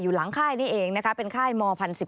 อยู่หลังค่ายนี้เองเป็นค่ายม๑๕